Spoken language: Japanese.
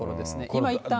今、いったん。